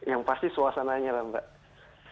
yang pasti suasananya lah mbak